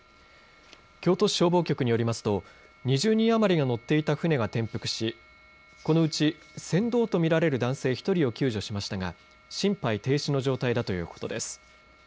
京都市消防局によりますと２０人余りが乗っていた船が転覆しこのうち船頭と見られる男性１人を救助しましたが心肺停止の状態だということです。